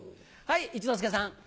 一之輔さん。